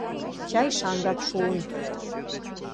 Чай шаҥгак шуын.